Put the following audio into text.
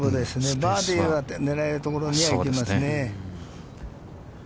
バーディーは狙えるところには行けますね。